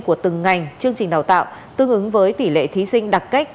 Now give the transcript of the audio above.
của từng ngành chương trình đào tạo tương ứng với tỷ lệ thí sinh đặc cách